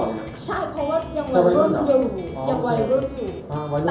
ยังวายรุ่นอยู่